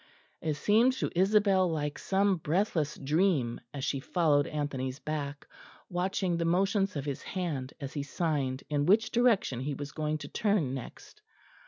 It seemed to Isabel like some breathless dream as she followed Anthony's back, watching the motions of his hand as he signed in which direction he was going to turn next.